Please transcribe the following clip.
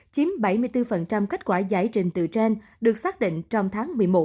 chiếm bảy mươi bốn kết quả giải trình từ trên được xác định trong tháng một mươi một